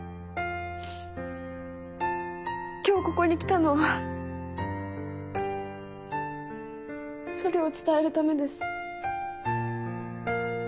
今日ここに来たのはそれを伝えるためです。